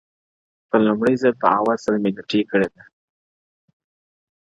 ما په لومړي ځل بعاوت سره لټې کړې ده _